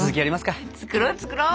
作ろう作ろう！